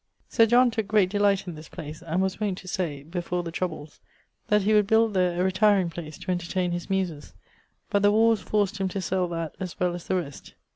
Sir John tooke great delight in this place, and was wont to say (before the troubles) that he would build there a retiring place to entertaine his muses; but the warres forced him to sell that as well as the rest.